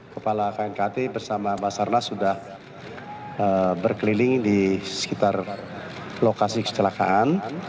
kepala knkt bersama basarnas sudah berkeliling di sekitar lokasi kecelakaan